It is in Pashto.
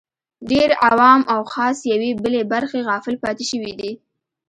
ډېر عوام او خواص یوې بلې برخې غافل پاتې شوي دي